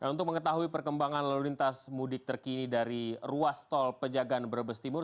untuk mengetahui perkembangan lalu lintas mudik terkini dari ruas tol pejagan brebes timur